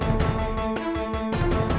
tidak ada tanah tanah